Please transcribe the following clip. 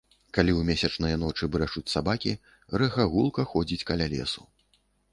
Калі ў месячныя ночы брэшуць сабакі, рэха гулка ходзіць каля лесу.